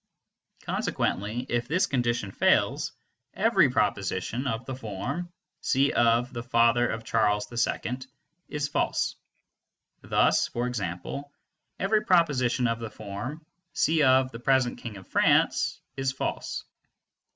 Consequently if this condition fails, every proposition of the form "C (the father of Charles II)" is false. Thus e.g. every proposition of the form "C (the present King of France)" is false.